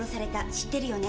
知ってるよね？」